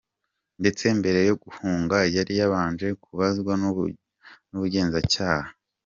Ndetse mbere yo guhunga yari yabanje kubazwa n’ubugenzacyaha.